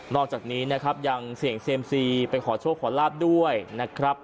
อกจากนี้นะครับยังเสี่ยงเซียมซีไปขอโชคขอลาบด้วยนะครับ